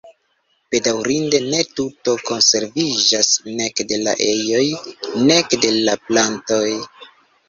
Bedaŭrinde ne tuto konserviĝas, nek de la ejoj nek de la plantoj.